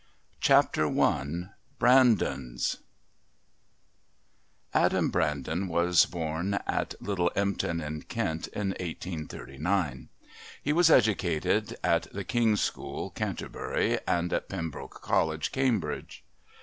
Chapter I Brandons Adam Brandon was born at Little Empton in Kent in 1839. He was educated at the King's School, Canterbury, and at Pembroke College, Cambridge.